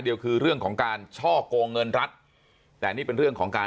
เดียวคือเรื่องของการช่อกงเงินรัฐแต่นี่เป็นเรื่องของการ